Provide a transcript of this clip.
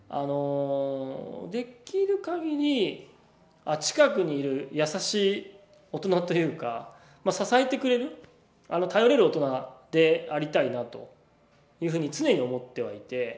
できる限り近くにいる優しい大人というか支えてくれる頼れる大人でありたいなというふうに常に思ってはいて。